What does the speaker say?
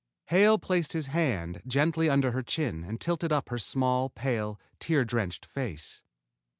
Hale placed his hand gently under her chin and tilted up her small, pale, tear drenched face.